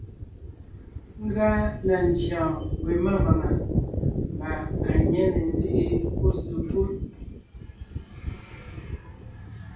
Ngʉa na ndyè wɔ̀ɔn we mámbàŋa mbà à nyě ne ńzíʼi pɔ́ sekúd.